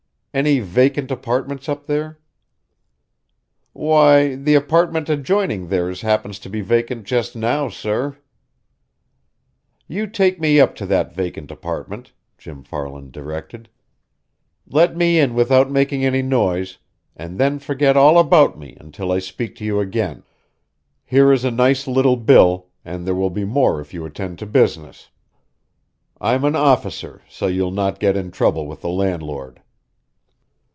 "Any vacant apartments up there?" "Why, the apartment adjoining theirs happens to be vacant just now, sir." "You take me up to that vacant apartment," Jim Farland directed. "Let me in without making any noise, and then forget all about me until I speak to you again. Here is a nice little bill, and there will be more if you attend to business. I'm an officer, so you'll not get in trouble with the landlord."